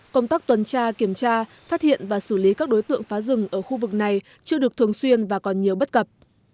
công tác tuần tra kiểm tra phát hiện và xử lý các đối tượng phá rừng ở khu vực này chưa được thường xuyên và còn nhiều bất cập